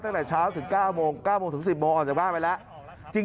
ตั้งแต่เช้าถึง๙โมงถึง๑๐โมงออกจากบ้านไปแล้ว